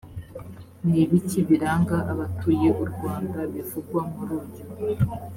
ni ibiki biranga abatuye u rwanda bivugwa muri uyu